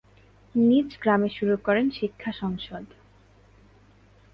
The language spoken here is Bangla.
নিজ গ্রামে শুরু করেন শিক্ষা সংসদ।